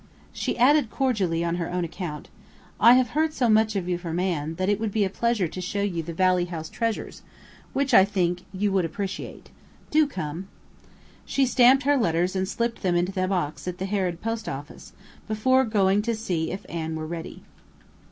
She added cordially on her own account: I have heard so much of you from Anne that it would be a pleasure to show you the Valley House treasures, which, I think, you would appreciate. Do come! She stamped her letters and slipped them into the box at the Harrod post office before going to see if Anne were ready.